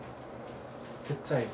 ちっちゃい。